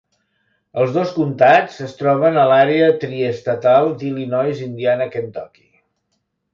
Els dos comtats es troben a l'àrea triestatal d'Illinois-Indiana-Kentucky.